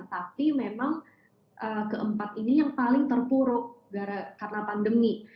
tapi memang keempat ini yang paling terpuruk karena pandemi